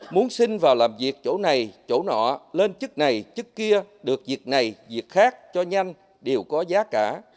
muốn sinh vào làm việc chỗ này chỗ nọ lên chức này chức kia được việc này việc khác cho nhanh đều có giá cả